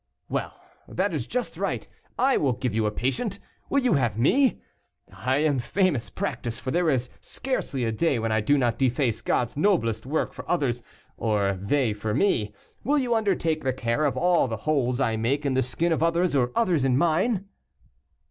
"Well, that is just right; I will give you a patient. Will you have me? I am famous practise; for there is scarcely a day when I do not deface God's noblest work for others, or they for me. Will you undertake the care of all the holes I make in the skin of others or others in mine?"